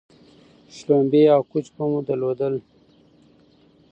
شلومبې او کوچ به مو درلودل